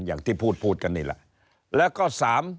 อย่างที่พูดกันนี่แหละ